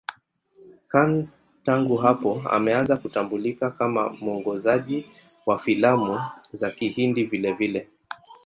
Khan tangu hapo ameanza kutambulika kama mwongozaji wa filamu za Kihindi vilevile.